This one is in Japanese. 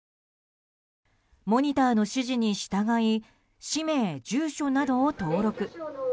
モニターの指示に従い氏名・住所などを登録。